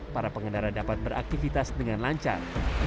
para pengendara dapat beraktivitas dengan lancar